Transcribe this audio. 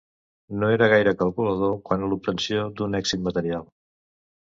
No era gaire calculador quant a l'obtenció d'un èxit material.